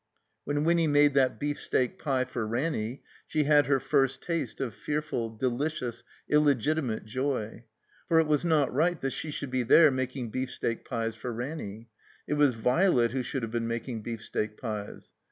When Winny made that beefsteak pie for Ranny she had her first taste of fearftil, delicious, illegitimate joy. For it was not right that she shotild be there making beefsteak pies for Ranny. It was Violet who should have been making beefsteak pies.